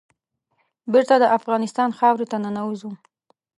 بېرته د افغانستان خاورې ته ننوزو.